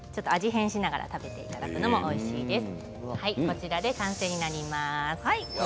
変しながら食べていただくのもおいしいです。